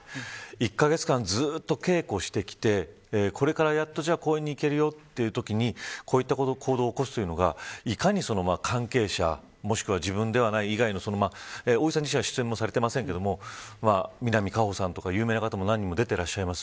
１カ月間、ずっと稽古してきてこれからやっと公演に行けるよというときにこういった行動を起こすということがいかに関係者もしくは自分以外ではない大内さん自身は出演していませんが南果歩さんなど有名な方たちも出ています。